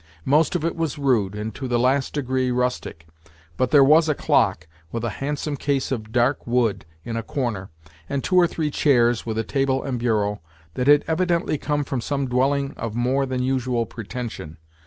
Most of it was rude, and to the last degree rustic; but there was a clock, with a handsome case of dark wood, in a corner, and two or three chairs, with a table and bureau, that had evidently come from some dwelling of more than usual pretension.